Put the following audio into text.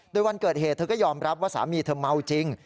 โดยวันเกิดเหตุเธอก็ยอมรับว่าสามีเธอเมาจริง